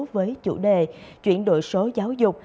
với chủ đề chuyển đổi số giáo dục